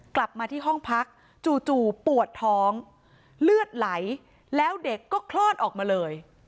กลับมาที่ห้องพักจู่ปวดท้องเลือดไหลแล้วเด็กก็คลอดออกมาเลย